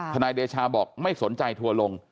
นายเดชาบอกไม่สนใจทัวร์ลง